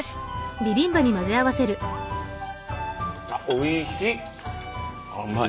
おいしい。